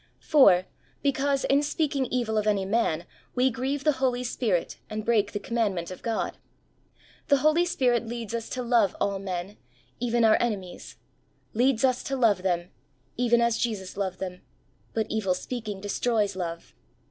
4. Because in speaking evil of any man we grieve the Holy Spirit and break the commandment of God. The Holy Spirit leads us to love all men^ — even our enemies ; leads us to love them — even as Jesus loved them, but evil speaking destroys love.